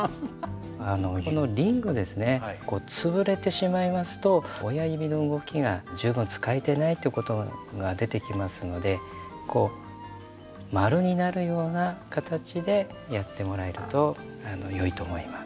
リングですね潰れてしまいますと親指の動きが十分使えてないということが出てきますので円になるような形でやってもらえると良いと思います。